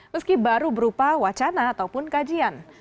meski baru berupa wacana ataupun kajian